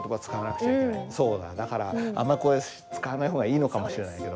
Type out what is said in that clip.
そうだだからあんまりこれ使わない方がいいのかもしれないけど。